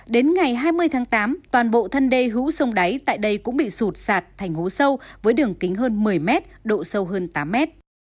đến ngày hai mươi tháng tám toàn bộ thân đê hữu sông đáy tại đây cũng bị sụt sạt thành hố sâu với đường kính hơn một mươi mét độ sâu hơn tám mét